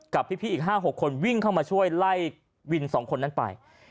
กับพี่อีก๕๖คนวิ่งเข้ามาช่วยไล่วิน๒คนนั้นไป